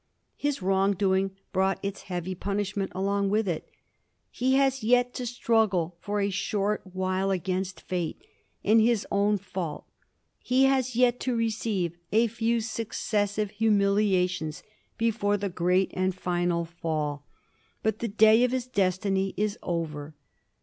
His wrong doing brought its heavy punishment along with it. He has yet to struggle for a short while against fate and his own fault ; he has still to receive a few successive humil iations before the great and final fall. But the day of his destiny is over.